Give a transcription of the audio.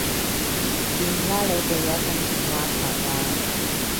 掂啦你哋有共同話題喇